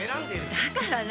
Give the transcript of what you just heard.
だから何？